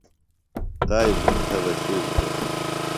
تائیۡ بھُن تھےۡ بہ شوک دےۡ